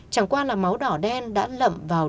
chẳng qua là máu đỏ đen đã lậm vào